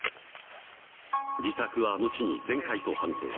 自宅は後に全壊と判定。